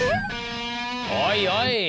おいおい！